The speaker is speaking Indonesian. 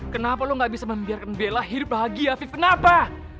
kenapa lo gak bisa membiarkan bella hidup bahagia fik kenapa